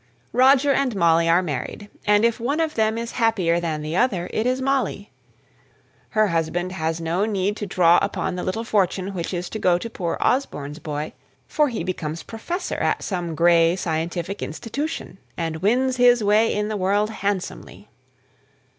Roger and Molly are married; and if one of them is happier than the other, it is Molly. Her husband has no need to draw upon the little fortune which is to go to poor Osborne's boy, for he becomes professor at some great scientific institution, and wins his way in the world handsomely.